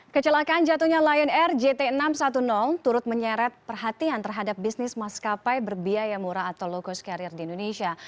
kecelakaan jatuhnya lion air jt enam ratus sepuluh turut menyeret perhatian terhadap bisnis maskapai berbiaya murah atau low cost carrier di indonesia